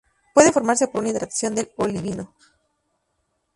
Puede formarse por una hidratación del olivino.